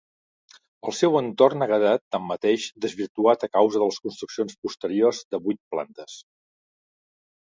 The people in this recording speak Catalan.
El seu entorn ha quedat, tanmateix, desvirtuat a causa de construccions posteriors de vuit plantes.